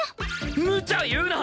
むちゃ言うな！